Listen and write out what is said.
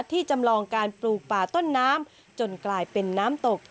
จำลองการปลูกป่าต้นน้ำจนกลายเป็นน้ำตก